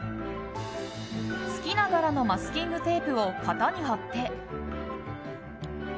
好きな柄のマスキングテープを型に貼って。